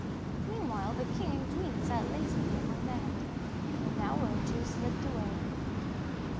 Meanwhile the king and queen sat lazily among the heather, and an hour or two slipped away.